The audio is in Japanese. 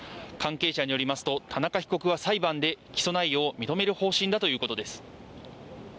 関係者によりますと田中被告は裁判で起訴内容を認める方針だということです。